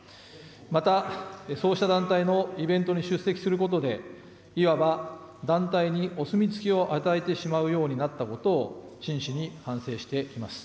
また、そうした団体のイベントに出席することで、いわば、団体にお墨付きを与えてしまうようになったことを、真摯に反省しています。